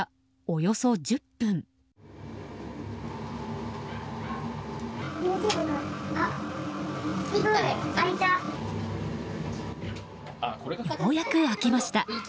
ようやく開きました！